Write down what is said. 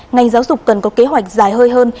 ngành giáo dục cần có kế hoạch dài hơi hơn